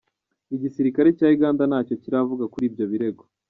Igisikare cya Uganda ntacyo kiravuga kuri ibyo birego.